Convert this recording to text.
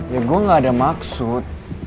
ya gue gak ada maksud